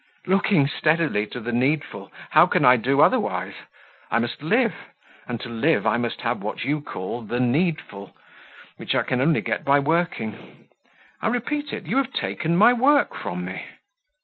"Looking steadily to the needful! How can I do otherwise? I must live, and to live I must have what you call 'the needful,' which I can only get by working. I repeat it, you have taken my work from me."